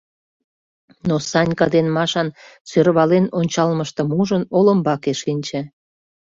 Но Санька ден Машан сӧрвален ончалмыштым ужын, олымбаке шинче.